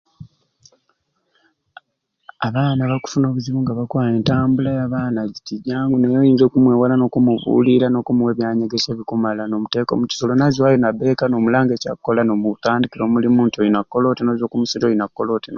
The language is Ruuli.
Aaa abaana bakufuna obuzibu nga bakwa entambula yabaana tijangu naye oyinza okumwewala nokumubulira nokumuwa ebyanyegesya ebikumala nomuteka omukisulo, nazwayo nabekka nomulanga ekyakola nomutandikira omulimu ntinoba ekka olina kola oti nozwa okumusiri olina kola.